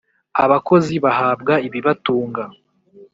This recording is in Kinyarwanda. Abakozi bahabwa ibibatunga.